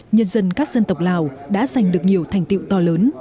nhân dân các dân tộc lào đã giành được nhiều thành tiệu to lớn